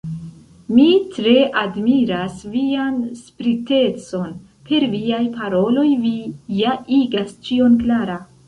Mi tre admiras vian spritecon; per viaj paroloj vi ja igas ĉion klara.